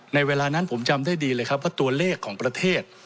ในเวลานั้นผมจำได้ดีเลยครับว่าตัวเลขของประเทศ